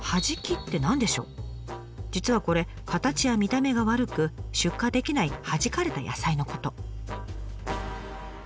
実はこれ形や見た目が悪く出荷できないはじかれた野菜のこと。